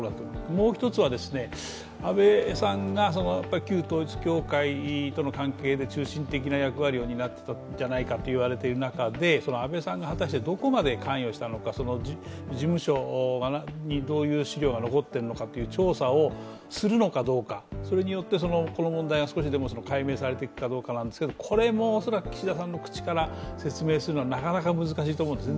もう一つは、安倍さんが旧統一教会との関係で中心的な役割を担っていたんじゃないかと言われていた中で安倍さんが果たしてどこまで関与したのか事務所にどういう資料が残っているのかの調査をするのかどうか、それによってこの問題が少しでも解明されていくかどうかですがこれも恐らく岸田さんの口から説明するのは、なかなか難しいと思います。